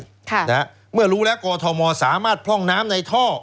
ค่ะนะฮะเมื่อรู้แล้วกอทมสามารถพร่องน้ำในท่อ